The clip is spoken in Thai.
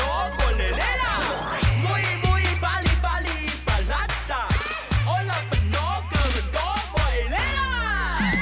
โอ้ยเราเป็นน้องเกิบก็บ่อยเลยล่ะ